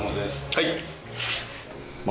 はい。